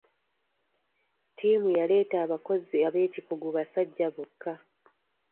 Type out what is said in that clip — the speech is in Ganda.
Ttiimu yaleeta abakozi abeekikugu basajja bokka.